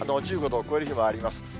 １５度を超える日もあります。